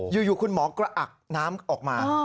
อยู่คุณหมอกระอักน้ำออกมา